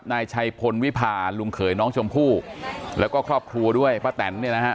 นายชัยพลวิพาลุงเขยน้องชมพู่แล้วก็ครอบครัวด้วยป้าแตนเนี่ยนะฮะ